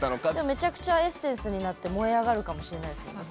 めちゃくちゃエッセンスになって燃え上がるかもしれないですもんね。